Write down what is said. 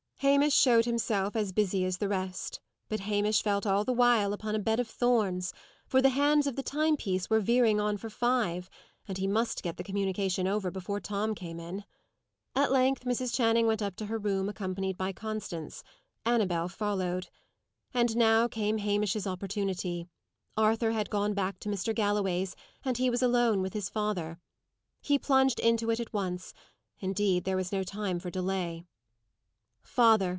Hamish showed himself as busy as the rest; but Hamish felt all the while upon a bed of thorns, for the hands of the timepiece were veering on for five, and he must get the communication over before Tom came in. At length Mrs. Channing went up to her room, accompanied by Constance; Annabel followed. And now came Hamish's opportunity. Arthur had gone back to Mr. Galloway's, and he was alone with his father. He plunged into it at once; indeed, there was no time for delay. "Father!"